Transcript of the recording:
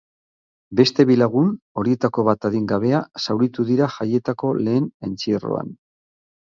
Beste bi lagun, horietako bat adingabea, zauritu dira jaietako lehen entzierroan.